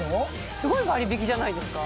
すごい割引じゃないですか？